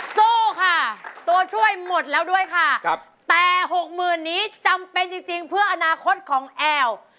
สู้ค่ะตัวช่วยหมดแล้วด้วยค่ะแต่๖๐๐๐นี้จำเป็นจริงเพื่ออนาคตของแอล